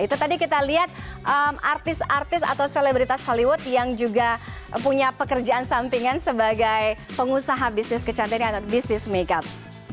itu tadi kita lihat artis artis atau selebritas hollywood yang juga punya pekerjaan sampingan sebagai pengusaha bisnis kecantini atau bisnis makeup